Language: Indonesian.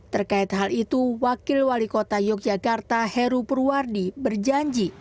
terkait hal itu wakil wali kota yogyakarta heru purwardi berjanji